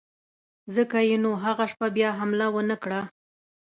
ځکه یې نو هغه شپه بیا حمله ونه کړه.